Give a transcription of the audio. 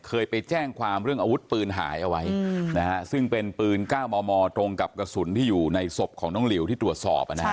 เคยไปแจ้งความเรื่องอาวุธปืนหายเอาไว้ซึ่งเป็นปืน๙มมตรงกับกระสุนที่อยู่ในศพของน้องหลิวที่ตรวจสอบ